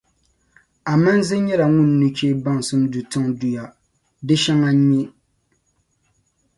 Amanze nyɛla ŋun nucheeni baŋsim du tiŋduya, di shɛŋa nyɛ: